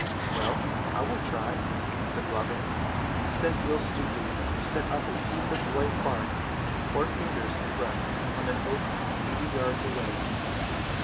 "Well, I will try," said Robin. He sent Will Stutely to set up a piece of white bark four fingers in breadth on an oak eighty yards away.